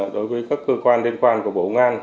đối với các cơ quan liên quan của bộ ngán